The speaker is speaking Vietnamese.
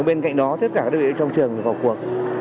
bên cạnh đó tất cả các đơn vị ở trong trường gọi cuộc